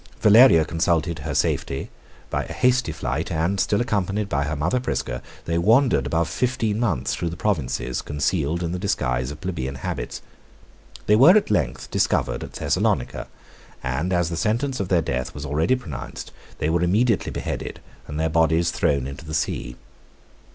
Valeria consulted her safety by a hasty flight, and, still accompanied by her mother Prisca, they wandered above fifteen months 84 through the provinces, concealed in the disguise of plebeian habits. They were at length discovered at Thessalonica; and as the sentence of their death was already pronounced, they were immediately beheaded, and their bodies thrown into the sea.